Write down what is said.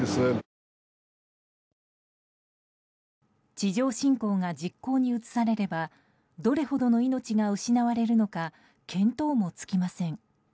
地上侵攻が実行に移されればどれほどの命が失われるのか見当もつきません。